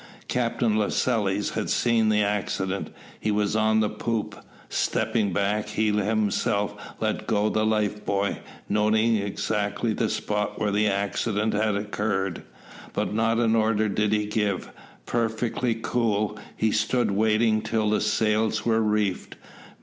Captain Lascelles had seen the accident. He was on the poop. Stepping back, he himself let go the life buoy, noting exactly the spot where the accident had occurred. But not an order did he give. Perfectly cool, he stood waiting till the sails were reefed.